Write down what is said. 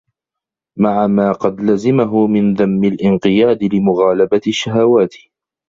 مَعَ مَا قَدْ لَزِمَهُ مِنْ ذَمِّ الِانْقِيَادِ لِمُغَالَبَةِ الشَّهَوَاتِ